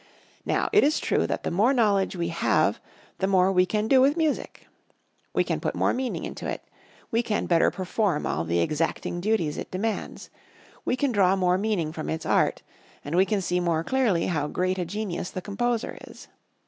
Now, it is true that the more knowledge we have, the more we can do with music. We can put more meaning into it; we can better perform all the exacting duties it demands; we can draw more meaning from its art, and we can see more clearly how great a genius the composer is.